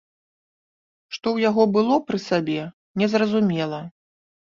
Што ў яго было пры сабе, незразумела.